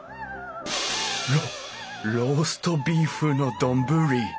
ロローストビーフの丼！